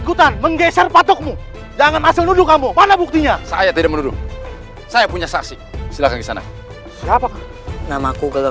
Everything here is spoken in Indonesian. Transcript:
kau harus mati sekali juga